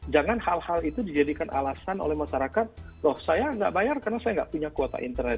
jangan hal hal itu dijadikan alasan oleh masyarakat loh saya nggak bayar karena saya nggak punya kuota internet